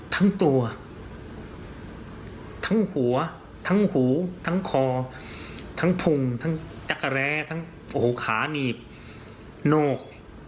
ทั้งตัวทั้งหัวทั้งหูทั้งคอทั้งพุงทั้งจักรแร้ทั้งโอ้โหขาหนีบโนก